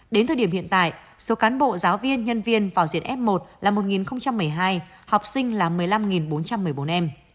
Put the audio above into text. đến thời điểm hiện tại số cán bộ giáo viên nhân viên vào diện f một là một một mươi hai học sinh là một mươi năm bốn trăm một mươi bốn em